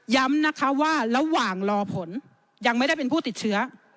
ย้ำนะคะว่าระหว่างรอผลยังไม่ได้เป็นผู้ติดเชื้อ